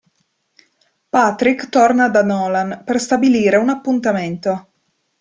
Patrick torna da Nolan per stabilire un appuntamento.